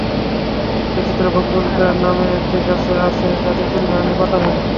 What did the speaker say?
বিচিত্র বকুল নামে একটি গাছ আছে, যাতে তিন ধরনের পাতা হয়।